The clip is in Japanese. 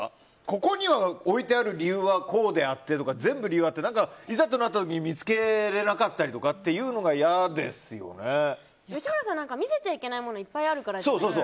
ここに置いてある理由はこうであってとか全部理由があっていざとなった時に見つけられなかったりが吉村さんは見せちゃいけないものがいっぱいあるから。